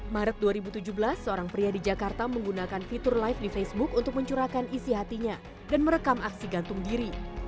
maret dua ribu tujuh belas seorang pria di jakarta menggunakan fitur live di facebook untuk mencurahkan isi hatinya dan merekam aksi gantung diri